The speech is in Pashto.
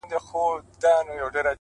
اوس ولي نه وايي چي ښار نه پرېږدو”